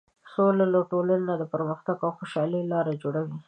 سوله ټولنې ته د پرمختګ او خوشحالۍ لاره جوړوي.